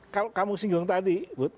kalau kamu singgung tadi